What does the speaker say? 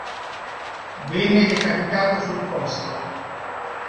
Venne decapitato sul posto.